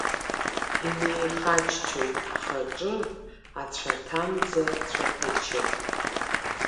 Инеихаччоит ахаҿы ацәаҭамӡа-цәаҭачы…